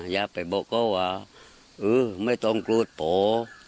อย่าไปบอกเขาว่าไม่ต้องกลูดโผล่